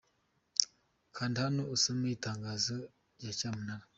Kanda hano usome itangazo rya cyamunara.